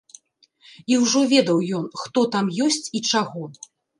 І ўжо ведаў ён, хто там ёсць і чаго.